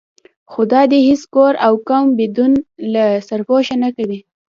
خدا دې هېڅ کور او قوم بدون له سرپوښه نه کوي.